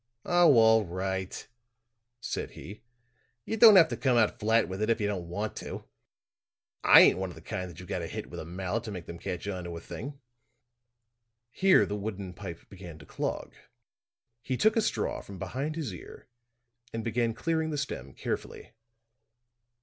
"Oh, all right," said he. "You don't have to come out flat with it if you don't want to. I ain't one of the kind that you've got to hit with a mallet to make them catch on to a thing." Here the wooden pipe seemed to clog; he took a straw from behind his ear and began clearing the stem carefully.